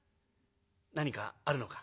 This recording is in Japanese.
「何かあるのか？」。